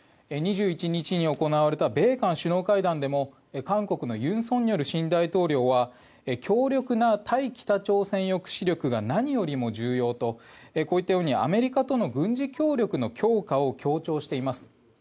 ２１日に行われた米韓首脳会談でも韓国の尹錫悦新大統領は強力な対北朝鮮抑止力が何よりも重要とこういったようにアメリカとの軍事協力の強化を強調しています。